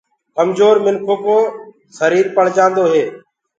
ڪمجور منکُو ڪو جسم پݪ جآندو هي۔